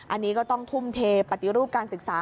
อันนี้ก็ต้องทุ่มเทปฏิรูปการศึกษา